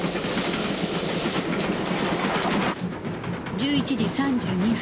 １１時３２分